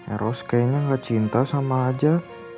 eros kayaknya gak cinta sama aja